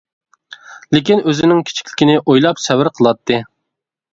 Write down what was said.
لېكىن ئۆزىنىڭ كىچىكلىكىنى ئويلاپ سەۋر قىلاتتى.